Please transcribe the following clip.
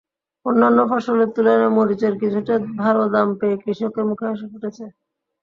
অন্যান্য ফসলের তুলনায় মরিচের কিছুটা ভালো দাম পেয়ে কৃষকের মুখে হাসি ফুটেছে।